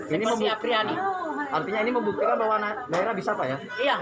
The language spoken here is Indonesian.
ini membuat pria nih artinya ini membuktikan bahwa anak daerah bisa pak ya